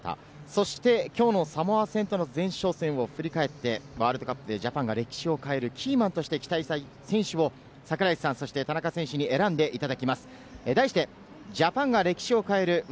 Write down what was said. そしてきょうのサモアとの前哨戦を振り返って、ワールドカップでジャパンが歴史を変えるキーマンとして期待したい選手を櫻井さん、そして田中選手に選んでいただきます。